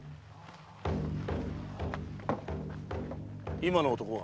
今の男は？